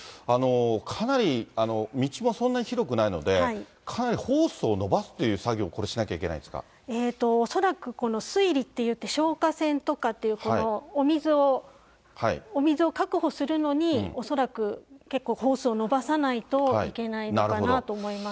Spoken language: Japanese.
かなり、道もそんなに広くないので、かなりホースを伸ばすっていう作業をこれしなきゃいけないで恐らく、このすいりっていって、消火栓とかこのお水を確保するのに、恐らく結構ホースを延ばさないといけないのかなと思います。